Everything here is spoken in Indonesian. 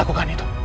jangan lakukan itu